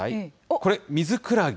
これ、ミズクラゲ。